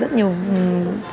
khi mà chương trình